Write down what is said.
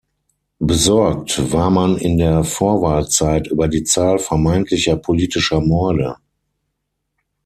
Besorgt war man in der Vorwahlzeit über die Zahl vermeintlicher politischer Morde.